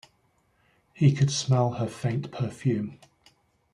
He could smell her faint perfume.